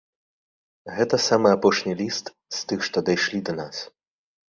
Гэта самы апошні ліст, з тых, што дайшлі да нас.